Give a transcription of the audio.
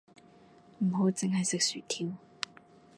唔好淨係食薯條